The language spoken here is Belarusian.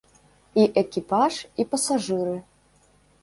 І экіпаж, і пасажыры.